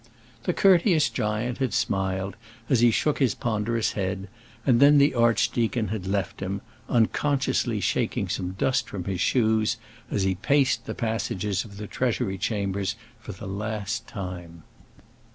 The courteous Giant had smiled as he shook his ponderous head, and then the archdeacon had left him, unconsciously shaking some dust from his shoes, as he paced the passages of the Treasury chambers for the last time.